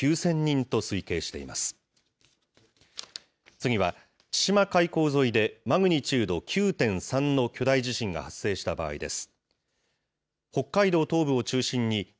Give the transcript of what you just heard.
次は、千島海溝沿いでマグニチュード９．３の巨大地震が発生した場合です。